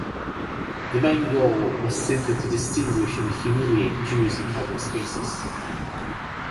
The main goal was simply to distinguish and humiliate Jews in public spaces.